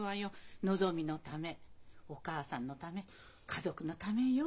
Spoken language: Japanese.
のぞみのためお母さんのため家族のためよ。